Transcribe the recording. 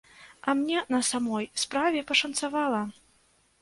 А мне, на самой справе, пашанцавала.